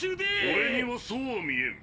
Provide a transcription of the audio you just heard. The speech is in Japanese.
俺にはそうは見えん。